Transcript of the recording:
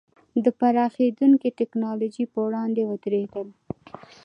د پراخېدونکې ټکنالوژۍ پر وړاندې ودرېدل.